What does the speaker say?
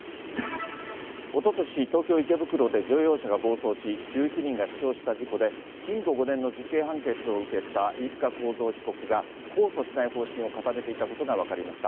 おととし、東京・池袋で乗用車が暴走し、１１人が死傷した事故で、禁錮５年の実刑判決を受けた飯塚幸三被告が控訴しない方針を固めていたことが分かりました。